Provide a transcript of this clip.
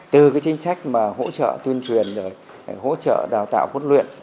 từ cái chính trách mà hỗ trợ tuyên truyền rồi hỗ trợ đào tạo huấn luyện